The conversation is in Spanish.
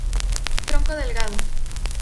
Tronco delgado.